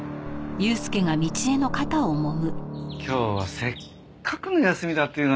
今日はせっかくの休みだっていうのに。